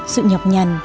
sự nhọc nhằn